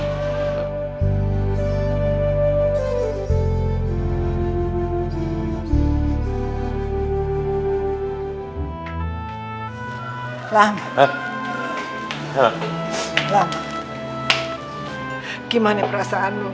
nggak ada yang yang mau ngerasaku